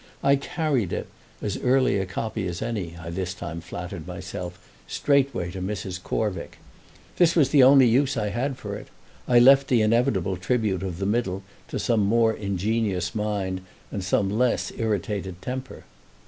I carried it, as early a copy as any, I this time flattered myself, straightway to Mrs. Corvick. This was the only use I had for it; I left the inevitable tribute of The Middle to some more ingenious mind and some less irritated temper.